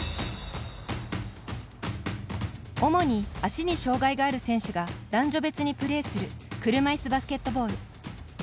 主に足に障がいがある選手が男女別にプレーする車いすバスケットボール。